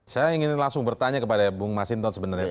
saya ingin langsung bertanya kepada bung mas sintot sebenarnya